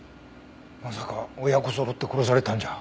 まさか親子そろって殺されたんじゃ。